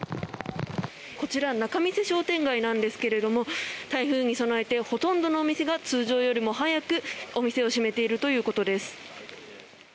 こちら仲見世商店街なんですけども台風に備えて、ほとんどの店が通常よりも早くお店を閉めているということです。